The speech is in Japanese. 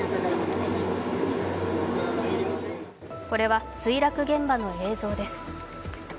これは墜落現場の映像です。